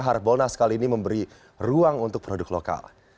harbolnas kali ini memberi ruang untuk produk lokal